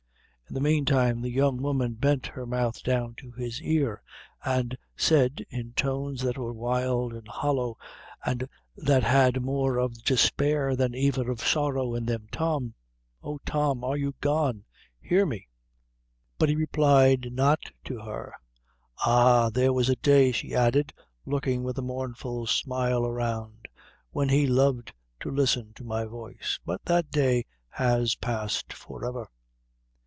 In the meantime, the young woman bent her mouth down to his ear, and said, in tones that were wild and hollow, and that had more of despair than even of sorrow in them "Tom, oh, Tom, are you gone? hear me!" But he replied not to her. "Ah! there was a day," she added, looking with a mournful smile around, "when he loved to listen to my voice; but that day has passed forever."